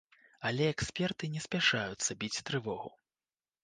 Але эксперты не спяшаюцца біць трывогу.